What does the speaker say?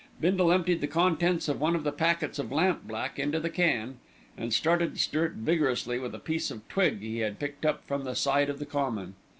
Bindle emptied the contents of one of the packets of lamp black into the can, and started to stir it vigorously with a piece of twig he had picked up from the side of the Common.